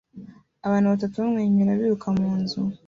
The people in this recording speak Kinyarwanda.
Abana batatu bamwenyura biruka mu nzu